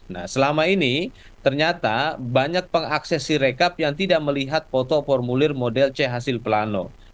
nah selama ini ternyata banyak pengakses sirekap yang tidak melihat foto formulir model c hasil plano